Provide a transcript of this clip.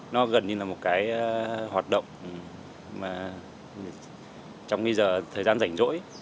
nó gần như là một cái hoạt động mà trong bây giờ thời gian rảnh rỗi